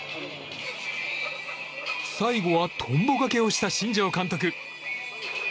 最後はとんぼがけをした新庄監督。